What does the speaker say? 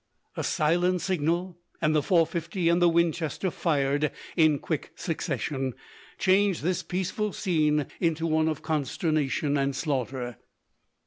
A silent signal, and the .450 and the Winchester, fired in quick succession, changed this peaceful scene into one of consternation and slaughter.